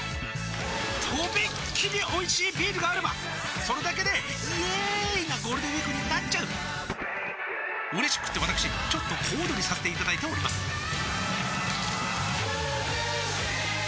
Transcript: とびっきりおいしいビールがあればそれだけでイエーーーーーイなゴールデンウィークになっちゃううれしくってわたくしちょっと小躍りさせていただいておりますさあ